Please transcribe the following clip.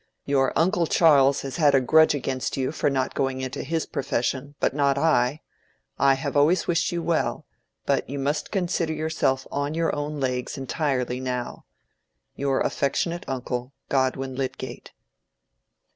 Your uncle Charles has had a grudge against you for not going into his profession, but not I. I have always wished you well, but you must consider yourself on your own legs entirely now. Your affectionate uncle, GODWIN LYDGATE."